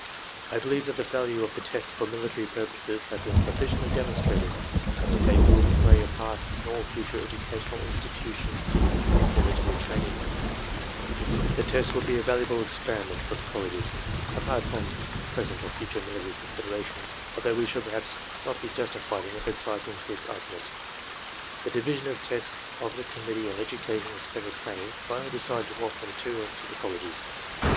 I believe that the value of the tests for military purposes have been sufficiently demonstrated and that they will play a part in all future educational institu tions giving military training. TESTS IN STUDENTS' ARMY TRAINING CORPS 161 41 i The tests would be a valuable experiment for the colleges, apart from present or future military considerations, although we should perhaps not be justified in emphasizing this argu ment." The Division of Tests of the Committee on Education and Special Training finally decided to offer the materials to the colleges.